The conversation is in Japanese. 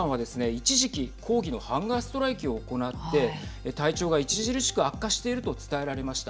一時期抗議のハンガーストライキを行って体調が著しく悪化していると伝えられました。